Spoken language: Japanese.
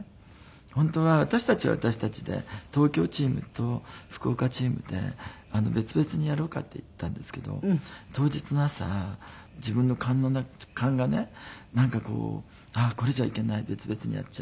本当は私たちは私たちで「東京チームと福岡チームで別々にやろうか」って言っていたんですけど当日の朝自分の勘がねなんかこう「あっこれじゃいけない別々にやっちゃ」って。